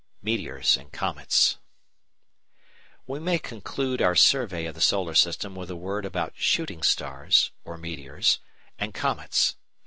METEORS AND COMETS We may conclude our survey of the solar system with a word about "shooting stars," or meteors, and comets.